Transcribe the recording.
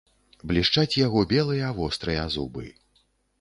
Блішчаць яго белыя вострыя зубы.